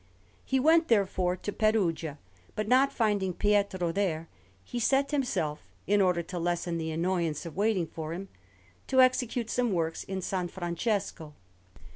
He went, therefore, to Perugia: but not finding Pietro there, he set himself, in order to lessen the annoyance of waiting for him, to execute some works in S. Francesco.